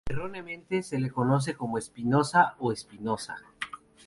Erróneamente se le conoce como Espinosa o Espinoza.